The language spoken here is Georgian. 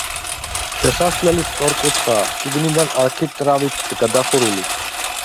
შესასვლელი სწორკუთხაა, შიგნიდან არქიტრავით გადახურული.